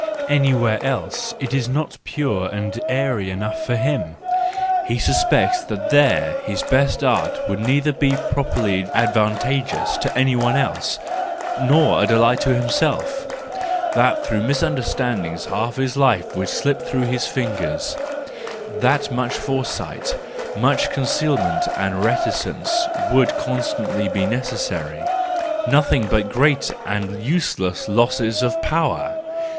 Anywhere else it is not pure and airy enough for him : he suspects that there his best art would neither be properly advantageous to anyone else, nor a delight to himself, that through misunderstandings half of his life would slip through his fingers, that much foresight, much concealment, and reticence would constantly be necessary,—nothing but great and useless losses of power!